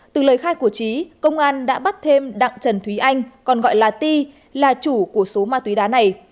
từ lời khai của trí công an đã bắt thêm đặng trần thúy anh còn gọi là ti là chủ của số ma túy đá này